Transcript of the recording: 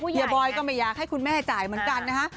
บอยก็ไม่อยากให้คุณแม่จ่ายเหมือนกันนะฮะ